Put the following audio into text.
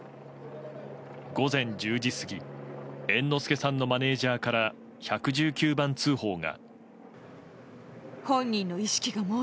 午前１０時過ぎ猿之助さんのマネジャーから１１９番通報が。